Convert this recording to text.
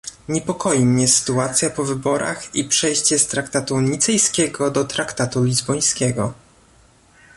niepokoi mnie sytuacja po wyborach i przejście z traktatu nicejskiego do traktatu lizbońskiego